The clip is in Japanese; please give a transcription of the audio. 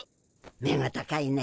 目が高いね。